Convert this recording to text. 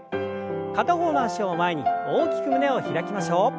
片方の脚を前に大きく胸を開きましょう。